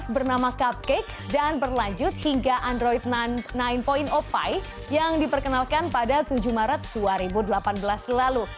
bernama cupcake dan berlanjut hingga android sembilan pie yang diperkenalkan pada tujuh maret dua ribu delapan belas lalu